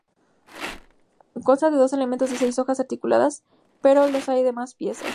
Constan de dos elementos de seis hojas articuladas, pero los hay de más piezas.